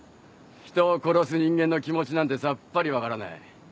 人を殺す人間の気持ちなんてさっぱり分からない。